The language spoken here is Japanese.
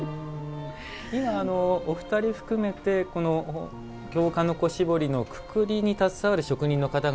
今お二人含めて京鹿の子絞りのくくりに携わる職人の方々